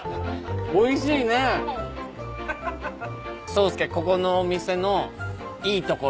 宗介ここのお店のいいところ言える？